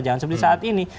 jangan seperti saat ini